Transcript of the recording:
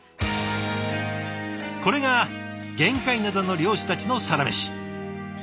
これが玄界灘の漁師たちのサラメシ。